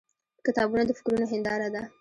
• کتابونه د فکرونو هنداره ده.